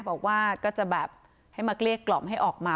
บอกว่าก็จะแบบให้มาเกลี้ยกล่อมให้ออกมา